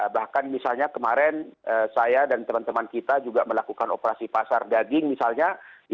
bahkan misalnya kemarin saya dan teman teman kita juga melakukan operasi pasar daging misalnya